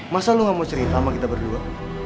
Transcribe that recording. masa lo gak mau cerita sama kita berdua